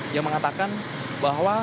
dia mengatakan bahwa